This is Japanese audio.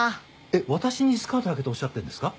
えっ私にスカートはけとおっしゃってるんですか？